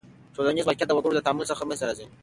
ټولنیز واقعیت د وګړو له تعامل څخه منځ ته راځي.